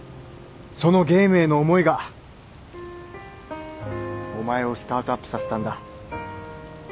そのゲームへの思いがお前をスタートアップさせたんだ。